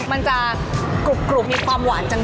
มันจะกรุบมีความหวานจัง